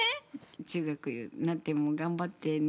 中学なっても頑張ってね